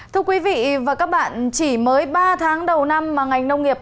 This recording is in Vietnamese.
thưa quý vị và các bạn chỉ mới ba tháng đầu năm mà ngành nông nghiệp